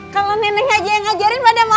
kalau nenek aja yang ngajarin pada mau